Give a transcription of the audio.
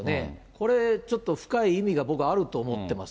これちょっと深い意味が僕はあると思ってます。